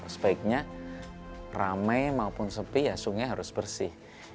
sebaiknya ramai maupun sepi sungai harus bersih